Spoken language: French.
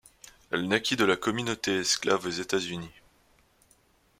Elle naquit de la communauté esclave aux États-Unis.